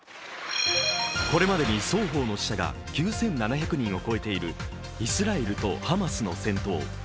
これまでに双方の死者が９７００人を超えているイスラエルとハマスの戦闘。